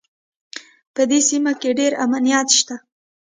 په دې سیمه کې ډېر امنیت شته